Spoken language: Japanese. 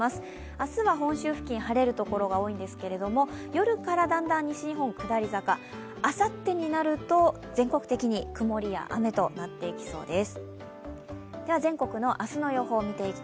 明日は本州付近晴れるところが多いんですけども、夜からだんだん西日本、下り坂、あさってになると全国的に曇りや雨となっていきそうです。